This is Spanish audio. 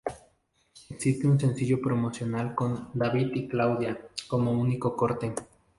Existe un sencillo promocional con "David y Claudia" como único corte.